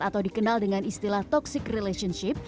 atau dikenal dengan istilah toxic relationship